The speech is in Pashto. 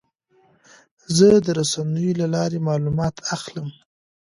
زه د رسنیو له لارې معلومات اخلم.